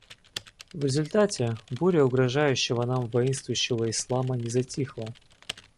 В результате буря угрожающего нам воинствующего ислама не затихла.